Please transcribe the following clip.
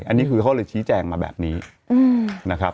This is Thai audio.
อันนี้คือเขาเลยชี้แจงมาแบบนี้นะครับ